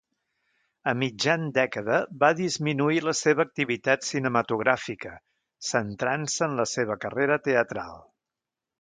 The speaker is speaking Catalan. A mitjan dècada va disminuir la seva activitat cinematogràfica, centrant-se en la seva carrera teatral.